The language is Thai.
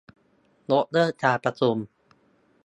ยกเลิกการประชุม